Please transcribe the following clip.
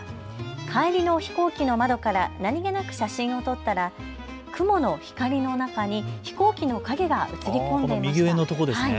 帰りの飛行機の窓から何気なく写真を撮ったら雲の光の中に飛行機の影が映り込んでいました。